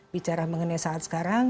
bicara mengenai saat sekarang